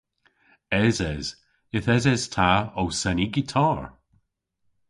Eses. Yth eses ta ow seni gitar.